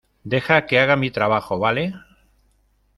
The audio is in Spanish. deja que haga mi trabajo, ¿ vale?